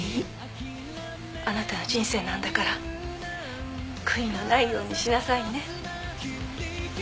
あなたの人生なんだから悔いのないようにしなさいね。